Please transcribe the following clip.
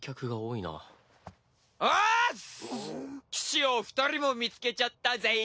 騎士を二人も見つけちゃったぜ。